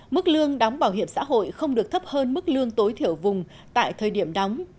mức lương đóng bảo hiểm xã hội không được thấp hơn mức lương tối thiểu vùng tại thời điểm đóng